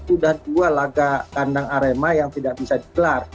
sudah dua laga kandang arema yang tidak bisa digelar